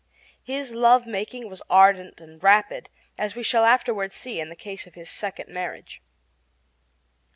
His love making was ardent and rapid, as we shall afterward see in the case of his second marriage.